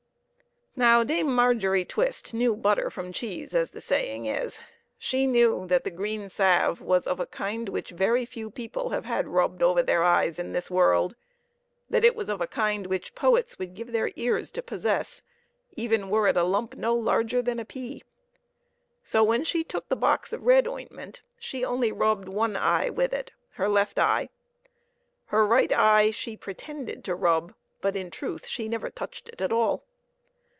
Now Dame Margery Twist knew but ter from cheese, as the saying is. She knew that the green salve was of a kind which very few people have had rubbed over their eyes in this world ; that it was of a kind which poets would give their ears to possess even were it a lump no larger than a pea. So, when she took the box of red ointment, she only rubbed one eye with it her left eye. Her right eye she pretend ed to rub, but, in truth, she never touched it at all.